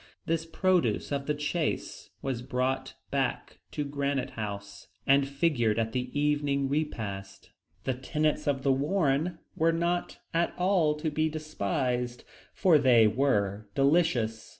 This produce of the chase was brought back to Granite House, and figured at the evening repast. The tenants of the warren were not at all to be despised, for they were delicious.